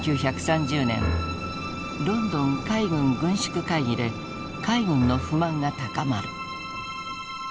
１９３０年ロンドン海軍軍縮会議で海軍の不満が高まる。